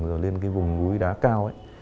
rồi lên cái vùng núi đá cao